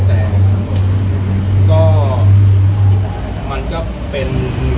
แต่ก็มันก็เป็น